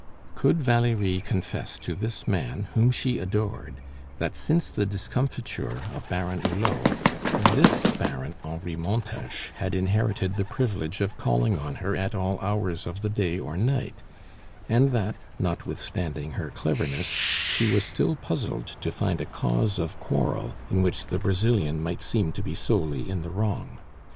Could Valerie confess to this man, whom she adored, that since the discomfiture of Baron Hulot, this Baron Henri Montes had inherited the privilege of calling on her at all hours of the day or night; and that, notwithstanding her cleverness, she was still puzzled to find a cause of quarrel in which the Brazilian might seem to be solely in the wrong?